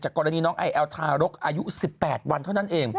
กรณีน้องไอแอลทารกอายุ๑๘วันเท่านั้นเอง